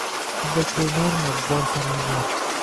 Shunda ko’rinarmi, bor samimiyat?